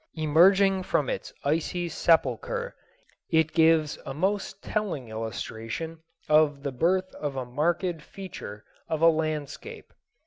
Emerging from its icy sepulchre, it gives a most telling illustration of the birth of a marked feature of a landscape.